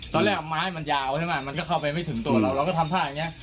ตอนแรกไม้มันยาวใช่ไหมมันก็เข้าไปไม่ถึงตัวเราเราก็ทำท่าอย่างนี้